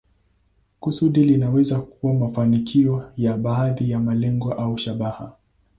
Kusudi linaweza kuwa mafanikio ya baadhi ya malengo au shabaha.